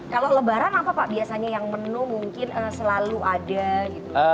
kalau lebaran apa pak biasanya yang menu mungkin selalu ada gitu